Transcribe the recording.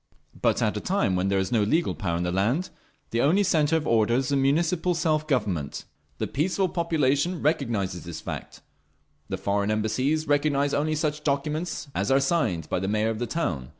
But at a time when there is no legal power in the land, the only centre of order is the Municipal Self Government. The peaceful population recognises this fact; the foreign Embassies recognise only such documents as are signed by the Mayor of the town.